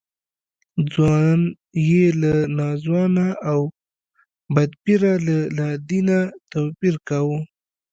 ځوان یې له ناځوانه او بدپیره له لادینه توپیر کاوه.